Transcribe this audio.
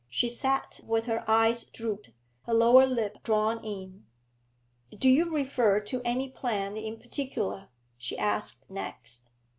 She sat with her eyes drooped, her lower lip drawn in. 'Do you refer to any plan in particular?' she asked next.